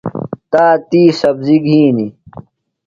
تاتی سبزیۡ گِھنیۡ۔